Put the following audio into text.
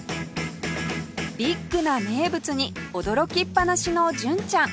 ビッグな名物に驚きっぱなしの純ちゃん